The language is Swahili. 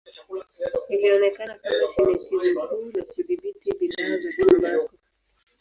Ilionekana kama shinikizo kuu la kudhibiti bidhaa za tumbaku.